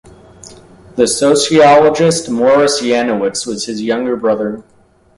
The sociologist Morris Janowitz was his younger brother.